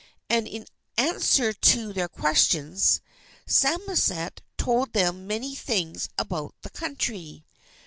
And in answer to their questions Samoset told them many things about that country.